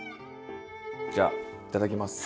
じゃあいただきます！